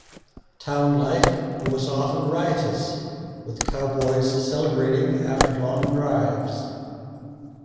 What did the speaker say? Town life was often riotous with cowboys celebrating after long drives.